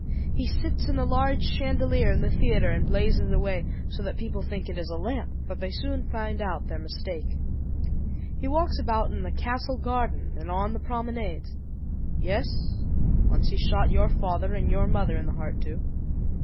He sits in the large chandelier in the theatre and blazes away, so that people think it is a lamp; but they soon find out their mistake. He walks about in the castle garden and on the promenades. Yes, once he shot your father and your mother in the heart too.